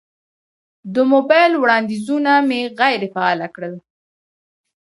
د موبایل وړاندیزونه مې غیر فعال کړل.